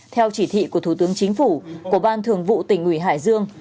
theo chỉ thị của thủ tướng chính phủ của ban thường vụ tỉnh ủy hải dương